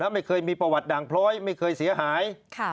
ไม่เคยมีประวัติด่างพล้อยไม่เคยเสียหาย